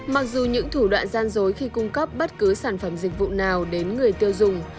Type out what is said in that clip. mặc dù những thủ đoạn gian dối khi cung cấp bất cứ sản phẩm dịch vụ nào đến người tiêu dùng